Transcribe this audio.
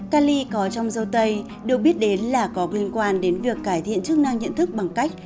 cali có trong dâu tây được biết đến là có liên quan đến việc cải thiện chức năng nhận thức bằng cách